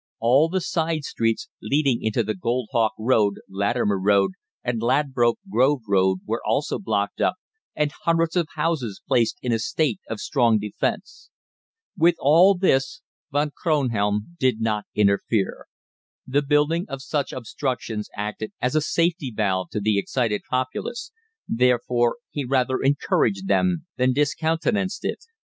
All the side streets leading into the Goldhawk Road, Latimer Road, and Ladbroke Grove Road were also blocked up, and hundreds of houses placed in a state of strong defence. With all this Von Kronhelm did not interfere. The building of such obstructions acted as a safety valve to the excited populace, therefore he rather encouraged than discountenanced it.